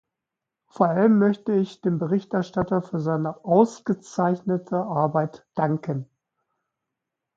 Vor allem möchte ich dem Berichterstatter für seine ausgezeichnete Arbeit danken.